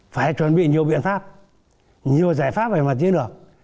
phải chuẩn bị nhiều biện pháp nhiều giải pháp về mặt chiến lược